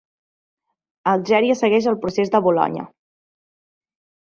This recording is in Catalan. Algèria segueix el procés de Bolonya.